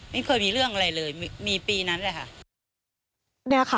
ไม่เคยมีเรื่องอะไรเลยมีปีนั้นแหละค่ะ